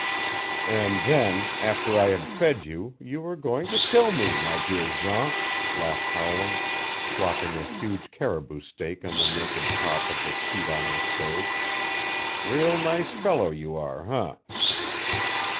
"And then after I had fed you you were going to kill me, my dear Jean," laughed Howland, flopping a huge caribou steak on the naked top of the sheet iron stove. "Real nice fellow you are, eh?"